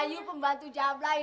iu pembantu jabla iu